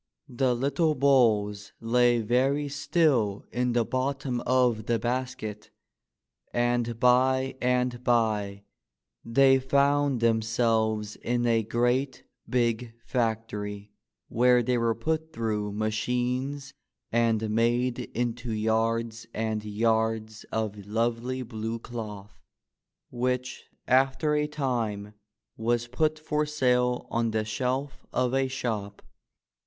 The little bolls lay very still in the bottom of the basket, and by and by they found themselves in a great big fac tory, where they were put through machines and made into yards and yards of lovely blue 164 THE LITTLE COTTON PLANT. cloth, which, after a time, was put for sale on the sheh of a shop.